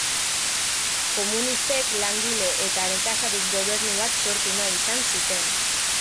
Komunistek, langile eta nekazari gobernu bat sortu nahi izan zuten.